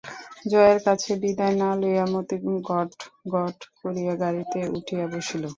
জয়ার কাছে বিদায় না লইয়া মতি গটগট করিয়া গাড়িতে উঠিয়া বসিল।